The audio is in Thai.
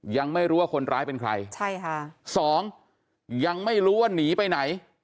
๒ยังไม่รู้ว่านีไปไหน